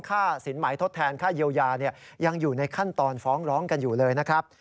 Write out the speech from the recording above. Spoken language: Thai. สินหมายทดแทนค่าเยียวยายังอยู่ในขั้นตอนฟ้องร้องกันอยู่เลยนะครับ